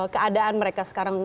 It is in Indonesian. keadaan mereka sekarang